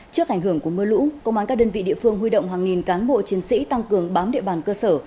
trước ảnh hưởng của mưa lũ công an các đơn vị địa phương huy động hàng nghìn cán bộ chiến sĩ tăng cường bám địa bàn cơ sở